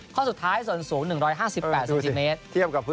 ข้อสุดท้ายส่วนสูง๑๕๘เซนติเมตร